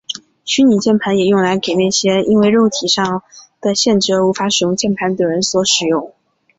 虚拟键盘也用来给那些因为肉体上的限制而无法使用键盘的人所使用。